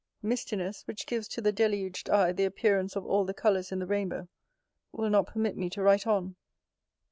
Mistiness, which give to the deluged eye the appearance of all the colours in the rainbow, will not permit me to write on.